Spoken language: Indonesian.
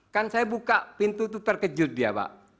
kan saya buka pintu itu terkejut dia pak